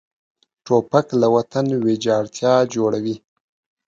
توپک له وطن ویجاړتیا جوړوي.